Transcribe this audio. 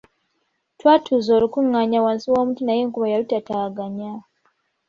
Twatuuza olukungaana wansi w'omuti naye enkuba yalutaataaganya.